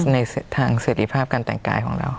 ในทางเสร็จภาพการแต่งกายของเรา